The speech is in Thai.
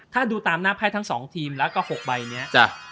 ถ้าดูตามหน้าไพ่ทั้ง๒ทีมแล้วก็๖ใบนี้